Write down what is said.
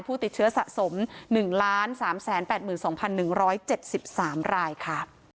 ผู้ติดเชื้อสะสม๑๓๘๒๑๗๓รายค่ะ